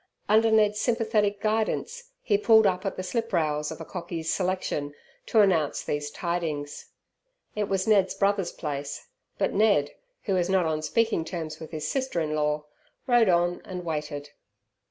Under Ned's sympathetic guidance he pulled up at the sliprails of a cockey's selection to announce these tidings. It was Ned's brother's place, but Ned, who was not on speaking terms with his sister in law, rode on and waited.